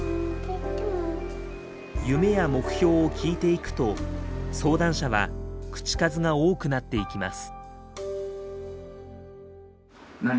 夢や目標を聞いていくと相談者は口数が多くなっていきます。